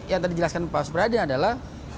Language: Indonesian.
yang tadi dijelaskan pak supradi adalah